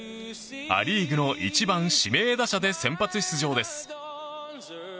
ア・リーグの１番指名打者で先発出場です。